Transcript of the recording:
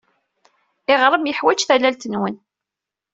Iɣrem yeḥwaj tallalt-nwent.